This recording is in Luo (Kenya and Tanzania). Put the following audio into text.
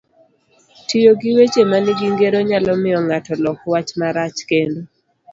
Tiyo gi weche manigi ngero nyalo miyo ng'ato lok wach marach, kendo